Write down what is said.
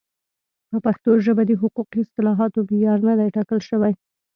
په پښتو ژبه د حقوقي اصطلاحاتو معیار نه دی ټاکل شوی.